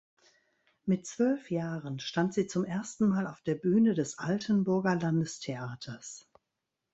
Mit zwölf Jahren stand sie zum ersten Mal auf der Bühne des Altenburger Landestheaters.